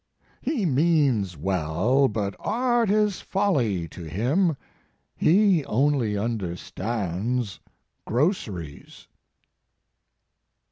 "He means well, but art is folly to him; he only understands groceries."